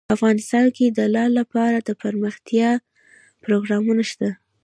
افغانستان کې د لعل لپاره دپرمختیا پروګرامونه شته.